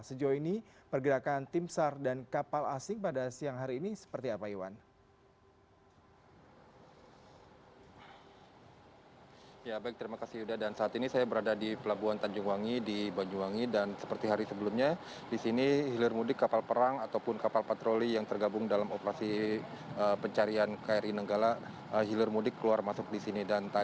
sejauh ini pergerakan tim sar dan kapal asing pada siang hari ini seperti apa iwan